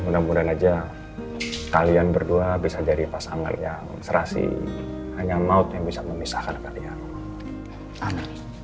mudah mudahan aja kalian berdua bisa jadi pasangan yang serasi hanya maut yang bisa memisahkan kalian anak